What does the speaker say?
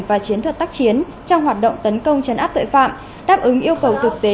và chiến thuật tác chiến trong hoạt động tấn công chấn áp tội phạm đáp ứng yêu cầu thực tế